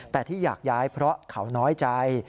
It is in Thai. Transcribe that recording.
แต่ที่อยากย้ายเพราะเขาน้อยใจ